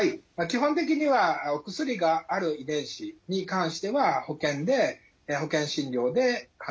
基本的にはお薬がある遺伝子に関しては保険で保険診療で可能です。